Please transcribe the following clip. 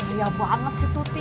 iya banget sih tuti